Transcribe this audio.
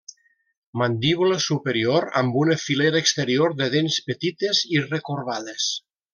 Mandíbula superior amb una filera exterior de dents petites i recorbades.